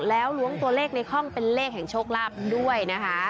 แล้วล้วงตัวเลขในห้องเป็นเลขแห่งโชคลาภด้วยนะคะ